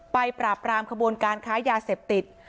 ปราบรามขบวนการค้ายาเสพติด